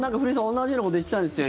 同じようなこと言ってたんですよ